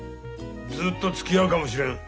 ずっとつきあうかもしれん。